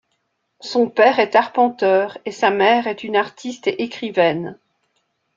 Son père est arpenteur et sa mère est une artiste et écrivaine.